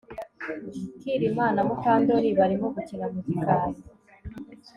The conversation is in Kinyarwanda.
Kirima na Mukandoli barimo gukina mu gikari